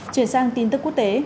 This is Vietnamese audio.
chuyển sang tin tức quốc tế